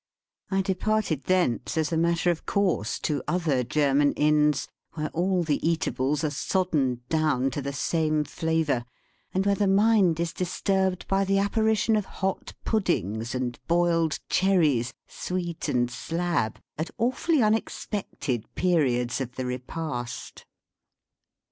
I departed thence, as a matter of course, to other German Inns, where all the eatables are soddened down to the same flavour, and where the mind is disturbed by the apparition of hot puddings, and boiled cherries, sweet and slab, at awfully unexpected periods of the repast.